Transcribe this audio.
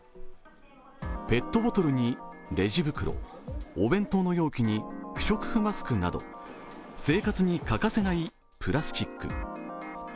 ペットボトルにレジ袋、お弁当の容器に不織布マスクなど生活に欠かせないプラスチック。